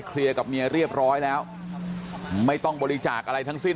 กับเมียเรียบร้อยแล้วไม่ต้องบริจาคอะไรทั้งสิ้น